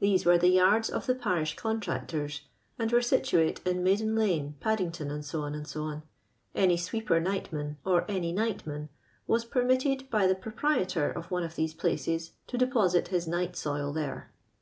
These were the yards of the parish contractors, and were situate in Maiden lane, Paddington, &c., d'C. Any sweeper nightman, or any nightman, was permitted by the proprietor of one of these places to deposit his night soil there.